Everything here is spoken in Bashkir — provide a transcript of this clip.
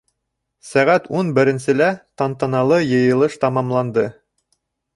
Сәғәт ун беренселә тантаналы йыйылыш тамамланды.